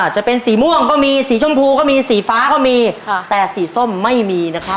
จะเป็นสีม่วงก็มีสีชมพูก็มีสีฟ้าก็มีแต่สีส้มไม่มีนะคะ